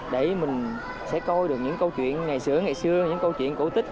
để mình sẽ coi được những câu chuyện ngày xưa ngày xưa những câu chuyện cổ tích